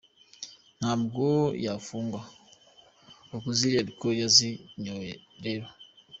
Ntabwo yafungwa axially ko yazinyoye rero.